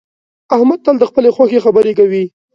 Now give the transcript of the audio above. احمد تل د خپلې خوښې خبرې کوي